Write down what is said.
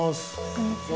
こんにちは。